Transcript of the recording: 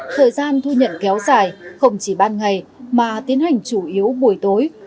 thời gian thu nhận kéo dài không chỉ ban ngày mà tiến hành chủ yếu buổi tối